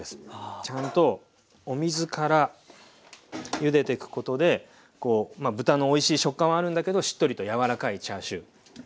ちゃんとお水からゆでてくことで豚のおいしい食感はあるんだけどしっとりと柔らかいチャーシュー。